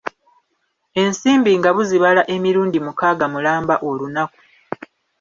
Ensimbi nga buzibala emirundi mukaaga mulamba olunaku.